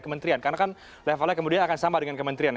karena kan levelnya akan sama dengan kementrian